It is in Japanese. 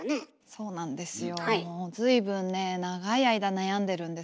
そうなんですよ。